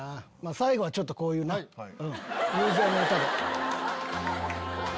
最後はこういうな友情の歌で。